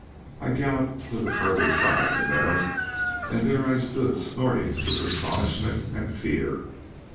I galloped to the further side of the meadow, and there I stood snorting with astonishment and fear.